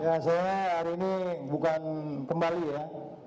ya saya hari ini bukan kembali ya